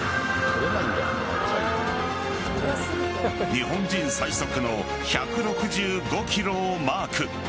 日本人最速の１６５キロをマーク。